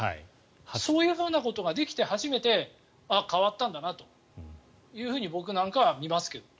そういうふうなことができて初めて、変わったんだなと僕なんかは見ますけど。